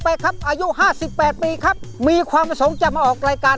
เพลงนี้อยู่ในอาราบัมชุดแรกของคุณแจ็คเลยนะครับ